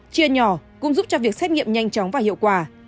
chia nhỏ cũng giúp cho việc xét nghiệm nhanh chóng và hiệu quả